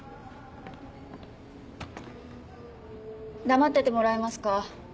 黙っててもらえますか？